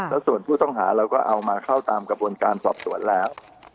แล้วส่วนผู้ต้องหาเราก็เอามาเข้าตามกระบวนการสอบสวนแล้ว